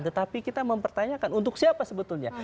tetapi kita mempertanyakan untuk siapa sebetulnya